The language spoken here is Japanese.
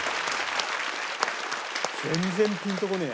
全然ピンとこねえや。